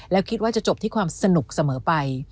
แล้วคิดว่าจะจบที่ความสนุกเสมอไป